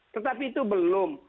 tetapi itu belum